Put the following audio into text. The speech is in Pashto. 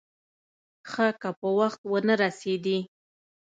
ښه که په وخت ونه رسېدې.